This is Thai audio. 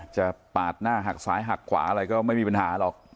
ปาดหน้าหักซ้ายหักขวาอะไรก็ไม่มีปัญหาหรอก